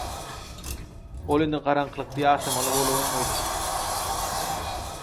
Ol indi garaňkylykda ýaşamaly bolaryn öýdüpdir.